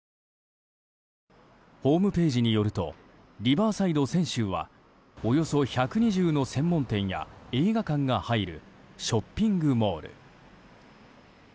ホームページによるとリバーサイド千秋はおよそ１２０の専門店や映画館が入るショッピングモール。